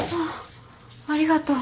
ありがとう。